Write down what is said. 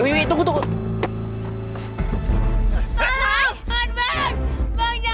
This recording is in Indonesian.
itu kayaknya orang yang mirip maya